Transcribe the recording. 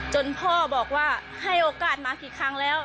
จนพ่อบอกว่าให้โอกาสมากี่ครั้งแล้ว